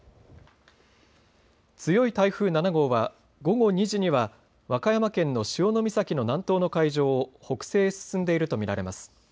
強い台風７号は午後２時には和歌山県の潮岬の南東の海上を北西へ進んでいると見られます。